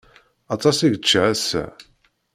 Aṭas i yečča ass-a.